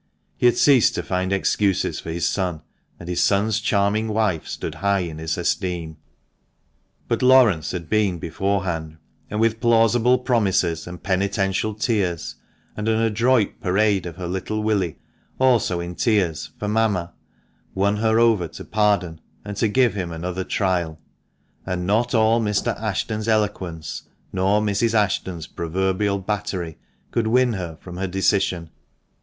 He had ceased to find excuses for his son, and his son's charming wife stood high in his esteem. But Laurence had been beforehand, and with plausible promises and penitential tears, and an adroit parade of her little Willie, also in tears '' for mamma," won her over to pardon, and to give him another trial ; and not all Mr. Ashton's eloquence, nor Mrs. Ashton's proverbial battery, could win her from her decision.